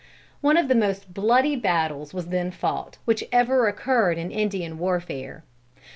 One of the most bloody battles was then fought, which ever occurred in Indian warfare.